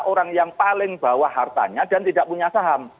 orang yang paling bawah hartanya dan tidak punya saham